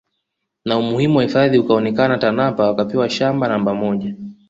Na umuhimu wa hifadhi ukaonekana Tanapa wakapewa shamba namba moja